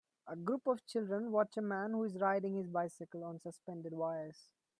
A group of children watch a man who is riding his bicycle on suspended wires.